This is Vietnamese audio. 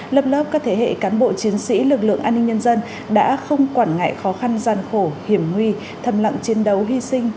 lớp lớp các thế hệ cán bộ chiến sĩ lực lượng an ninh nhân dân đã không quản ngại khó khăn gian khổ hiểm nguy thầm lặng chiến đấu hy sinh